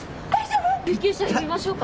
救急車呼びましょうか？